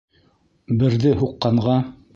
Берҙе һуҡҡанға...